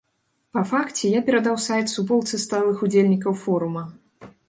Па факце я перадаў сайт суполцы сталых удзельнікаў форума.